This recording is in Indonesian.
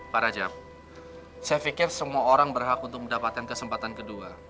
pak rajab saya pikir semua orang berhak untuk mendapatkan kesempatan kedua